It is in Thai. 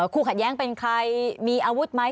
คู่ขัดแย้งเป็นใครมีอาวุธไหม